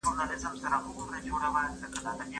تعلیم د هرې نجلۍ او هر هلک یو بنسټیز، انساني او شرعي حق دی.